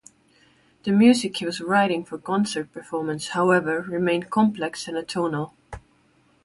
The music he was writing for concert performance, however, remained complex and atonal.